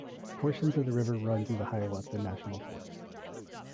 Portions of the river run through the Hiawatha National Forest.